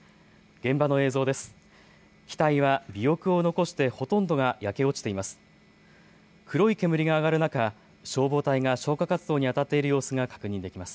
現場の映像です。